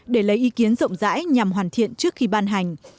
để lấy ý kiến rộng rãi nhằm hoàn thiện trước khi ban hành